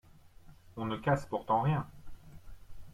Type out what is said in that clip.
On ne casse pourtant rien…